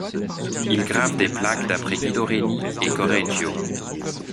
Il grave des plaques d'après Guido Reni et Corregio.